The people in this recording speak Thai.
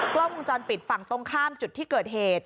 กล้องวงจรปิดฝั่งตรงข้ามจุดที่เกิดเหตุ